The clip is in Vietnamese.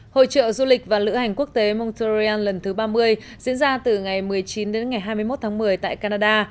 hội trợ du lịch và lữ hành quốc tế montreal lần thứ ba mươi diễn ra từ ngày một mươi chín đến ngày hai mươi một tháng một mươi tại canada